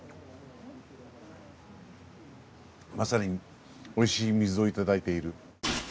まさに美味しい水をいただいている。